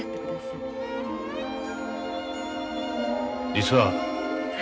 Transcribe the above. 実は。